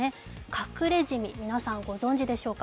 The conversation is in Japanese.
隠れジミ、皆さんご存じでしょうか。